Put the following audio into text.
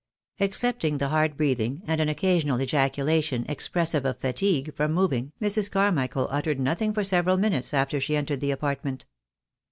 Excepting the hard breathing, and an occasional ejaculation ■expressive of fatigue from moving, Mrs. Carmichael uttered nothing for several minutes after she entered the apartment.